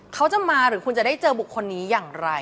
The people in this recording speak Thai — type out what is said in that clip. เขาจะมาหรือคุณจะได้เจอบุคคลนี้อย่างไร